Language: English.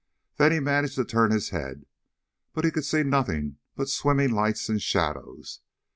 Then he managed to turn his head, but he could see nothing but swimming lights and shadows.